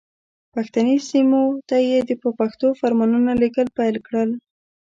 پښتني سیمو ته یې په پښتو فرمانونه لېږل پیل کړل.